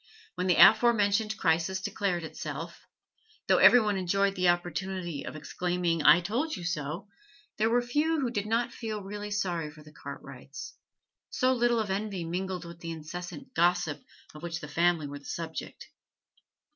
When the afore mentioned crisis declared itself, though every one enjoyed the opportunity of exclaiming 'I told you so!' there were few who did not feel really sorry for the Cartwrights, so little of envy mingled with the incessant gossip of which the family were the subject.